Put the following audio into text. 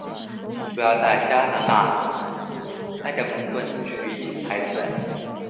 主要在加拿大埃德蒙顿取景拍摄。